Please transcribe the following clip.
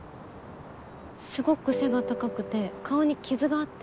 すごく背が高くて顔に傷があって。